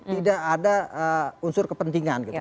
tidak ada unsur kepentingan